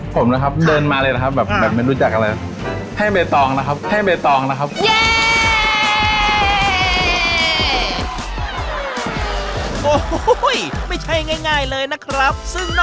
ผมนะครับเดินมาเลยนะครับ